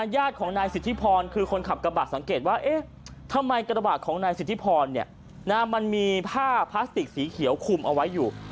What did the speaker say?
ญาติของนายสิทธิพรคือคนขับกระบะสังเกตว่าเอ๊ะทำไมกระบะของนายสิทธิพรมันมีผ้าพลาสติกสีเขียวคุมเอาไว้อยู่